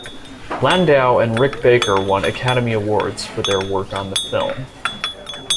Landau and Rick Baker won Academy Awards for their work on the film.